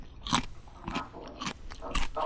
こんなふうにちょっと。